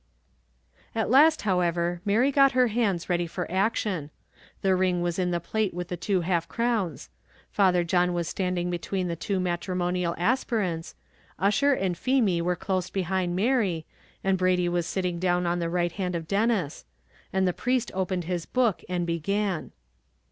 At last, however, Mary got her hands ready for action; the ring was in the plate with the two half crowns; Father John was standing between the two matrimonial aspirants; Ussher and Feemy were close behind Mary, and Brady was sitting down on the right hand of Denis; and the priest opened his book and began.